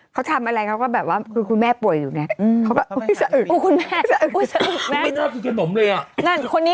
เขาทำอะไรเขาก็แบบว่าคือคุณแม่ป่วยอยู่ไง